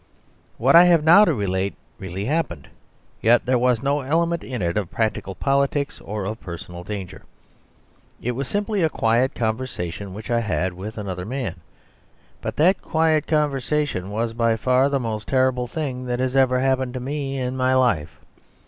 What I have now to relate really happened; yet there was no element in it of practical politics or of personal danger. It was simply a quiet conversation which I had with another man. But that quiet conversation was by far the most terrible thing that has ever happened to me in my life.